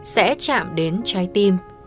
sẽ chạm đến trái tim